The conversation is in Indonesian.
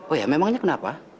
oh ya memangnya kenapa